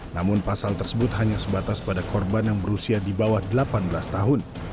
namun pasal tersebut hanya sebatas pada korban yang berusia di bawah delapan belas tahun